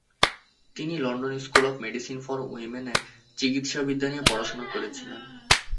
তিনি London school of medicine for উইমেনে চিকিৎসাবিদ্যা নিয়ে পড়াশোনা করেছিলেন।